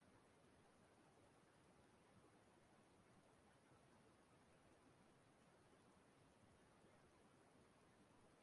oge e lelechaara ya ahụ wee chọpụta na ọ bu ọrịa korona n'eziokwu.